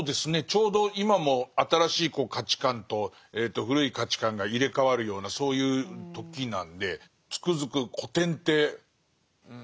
ちょうど今も新しい価値観と古い価値観が入れ代わるようなそういう時なんでつくづく古典って新しいみたいな。